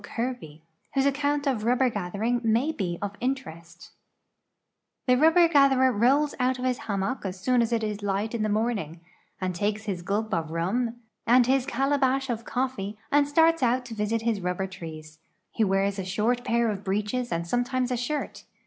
Kerbev, wliose account of rul)l)er gathering may be of inti rcst: " The rubber gatherer rolls out of his hammock as soon as it is light in the morning, and takes his gul}) of rum and his cala bash of coffee and starts out to visit his rubber trees. He wears a short pair of breeches and sometimes a shirt.